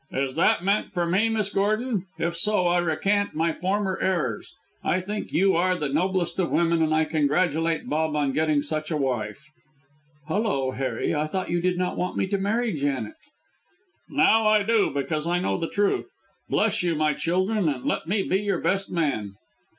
"Is that meant for me, Miss Gordon? If so, I recant my former errors. I think you are the noblest of women, and I congratulate Bob on getting such a wife." "Hullo! Harry. I thought you did not want me to marry Janet." "Now I do, because I know the truth. Bless you, my children, and let me be your best man."